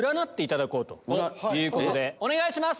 お願いします！